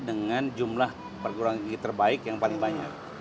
dengan jumlah perguruan tinggi terbaik yang paling banyak